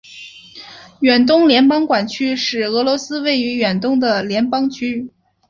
远东联邦管区是俄罗斯位于远东的联邦区。